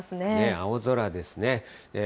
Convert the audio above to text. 青空ですね。